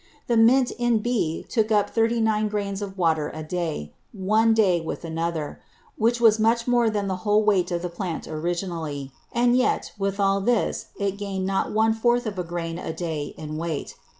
The Mint in B took up 39 Grains of Water a day, one day with another; which was much more than the whole weight of the Plant originally; and yet, with all this, it gain'd not one fourth of a Grain a day in weight.